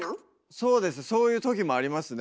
そうですそういう時もありますね